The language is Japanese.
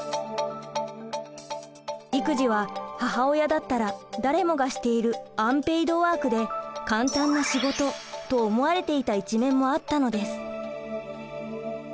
育児は母親だったら誰もがしているアンペイドワークで簡単な仕事と思われていた一面もあったのです。